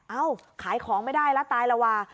ขายของไม่ได้แล้วตายแล้วว่ะ